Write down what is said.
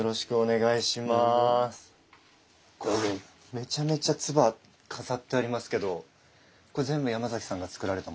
めちゃめちゃ鐔飾ってありますけどこれ全部山崎さんがつくられたものなんですか？